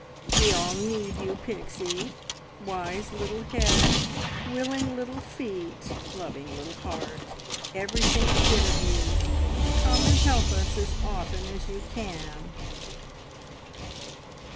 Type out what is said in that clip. We all need you, Pixie wise little head, willing little feet, loving little heart every single bit of you. Come and help us as often as you can."